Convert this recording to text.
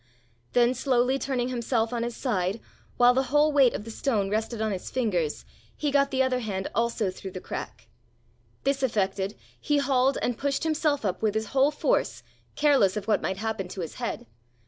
Then slowly turning himself on his side, while the whole weight of the stone rested on his fingers, he got the other hand also through the crack. This effected, he hauled and pushed himself up with his whole force, careless of what might happen to his head.